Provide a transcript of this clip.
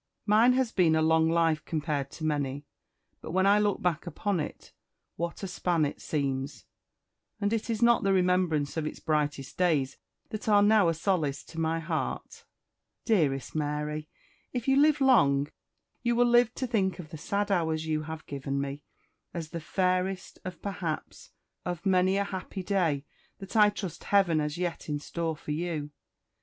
Mine has been a long life compared to many; but when I look back upon it, what a span it seems! And it is not the remembrance of its brightest days that are now a solace to my heart. Dearest Mary, if you live long, you will live to think of the sad hours you have given me, as the fairest, of perhaps, of many a happy day that I trust Heaven has yet in store for you.